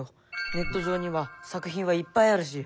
ネット上には作品はいっぱいあるし。